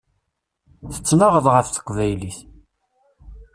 Tettnaɣeḍ ɣef teqbaylit.